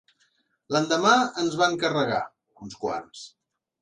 L'endemà ens van carregar, uns quants